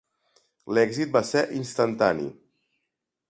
L'èxit va ser instantani.